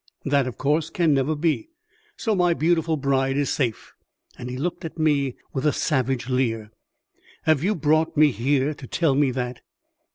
That, of course, can never be, so my beautiful bride is safe;" and he looked at me with a savage leer. "Have you brought me here to tell me that?"